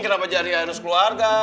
kenapa jadi airus keluarga